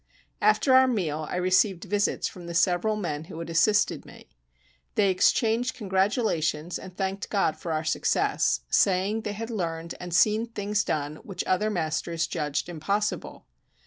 After our meal I received visits from the several men who had assisted me. They exchanged congratulations and thanked God for our success, saying they had learned and seen things done which other masters judged impossible.